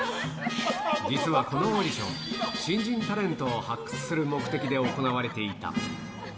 実はこのオーディション、新人タレントを発掘する目的で行われていた。